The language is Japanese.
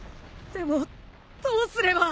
でもどうすれば。